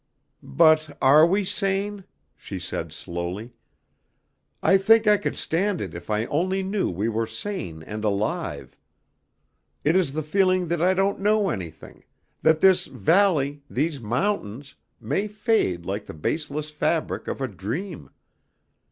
"But are we sane?" she said slowly, "I think I could stand it if I only knew we were sane and alive. It is the feeling that I don't know anything, that this valley, these mountains, may fade like the baseless fabric of a dream.